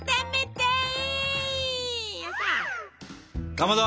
かまど。